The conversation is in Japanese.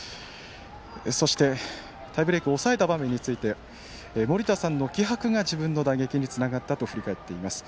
そして、タイブレークを抑えた場面について盛田さんの気迫が自分の打撃につながったと振り返っています。